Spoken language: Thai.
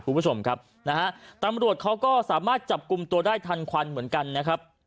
ตำรวจเขาก็สามารถจับกลุ่มตัวได้ทันควันเหมือนกันนะครับ